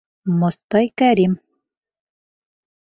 Мостай Кәрим.